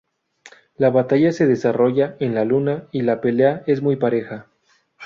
La batalla se desarrolla en la luna y la pelea es muy pareja.